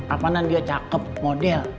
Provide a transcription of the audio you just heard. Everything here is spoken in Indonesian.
apaanan dia cakep model